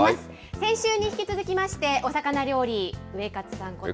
先週に引き続きまして、お魚料理、ウエカツさんこと